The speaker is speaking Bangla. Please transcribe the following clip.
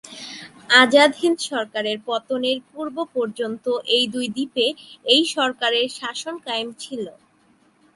আজাদ হিন্দ সরকারের পতনের পূর্ব পর্যন্ত এই দুই দ্বীপে এই সরকারের শাসন কায়েম ছিল।